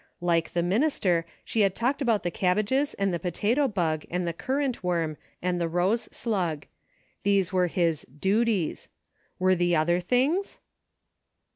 Like the minister, she had talked about the cabbages and the potato bug and the currant worm and the rose slug ; these were his duties. Were the other things